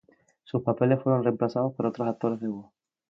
Sus papeles fueron reemplazados por otros actores de voz.